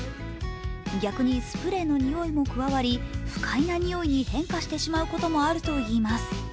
逆にスプレーのニオイも加わり不快なニオイに変化してしまうこともあるといいます。